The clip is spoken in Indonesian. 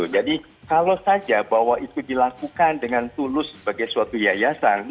jadi kalau saja bahwa itu dilakukan dengan tulus sebagai suatu yayasan